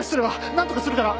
なんとかするから。